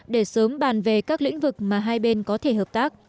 để sớm bàn về các lĩnh vực mà hai bên có thể hợp tác